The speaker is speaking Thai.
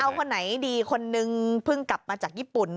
เอาคนไหนดีคนนึงเพิ่งกลับมาจากญี่ปุ่น